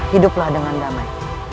hiduplah dengan damai